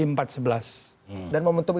dan momentum itu tidak akan terus lagi